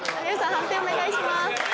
判定お願いします。